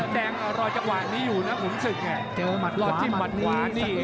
แกล้งรอยจักหวานนี้อยู่นะคุณสึกรอยจิ้มมัดหวาน